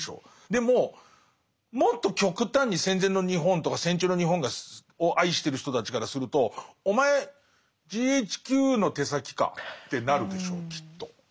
でももっと極端に戦前の日本とか戦中の日本を愛してる人たちからするとお前ＧＨＱの手先か？ってなるでしょうきっと。